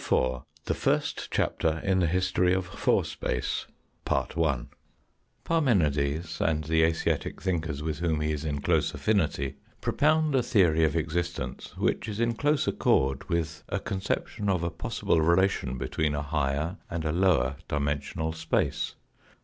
CHAPTER IV THE FIRST CHAPTER IN THE HISTORY OF FOUR SPACE PARMENIDES, and the Asiatic thinkers with whom he is in close affinity, propound a theory of existence which is in close accord with a conception of a possible relation between a higher and a lower dimensional space.